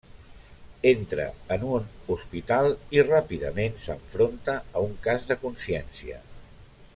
Entra en un hospital i ràpidament s’enfronta a un cas de consciència.